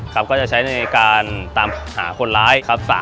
ก็จะใช้ในการตามหาคนร้ายครับ